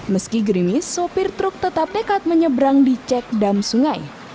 meski gerimis sopir truk tetap tekat menyeberang di cek dam sungai